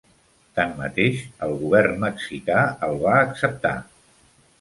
Tanmateix, el govern mexicà el va acceptar.